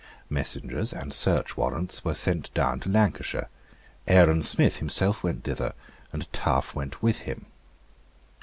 Messengers and search warrants were sent down to Lancashire. Aaron Smith himself went thither; and Taaffe went with him.